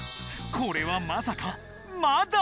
これはまさかまだ！